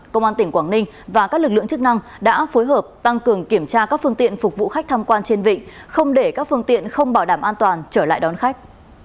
công an tỉnh quảng ninh và các lực lượng chức năng đã phối hợp tăng cường kiểm tra các phương tiện phục vụ khách tham quan trên vịnh không để các phương tiện không bảo đảm an toàn trở lại đón khách